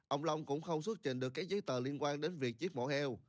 ông long cũng không xuất trình được các giấy tờ liên quan đến việc giết mổ heo